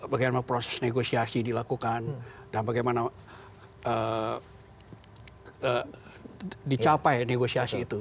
bagaimana proses negosiasi dilakukan dan bagaimana dicapai negosiasi itu